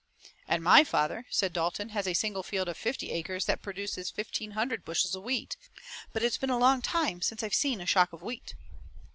"And my father," said Dalton, "has a single field of fifty acres that produces fifteen hundred bushels of wheat, but it's been a long time since I've seen a shock of wheat."